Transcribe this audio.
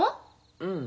うん。